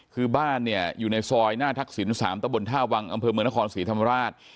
คือบ้านเนี่ยอยู่ในซอยหน้าทักษิณ๓ตะบนท่าวังอำเภอเมืองนครศรีธรรมราช